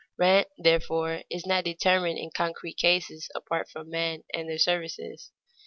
Rent, therefore, is not determined in concrete cases apart from men and their services.